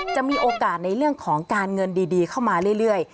จะมีโอกาสในเรื่องของการเงินดีเข้ามาเรื่อย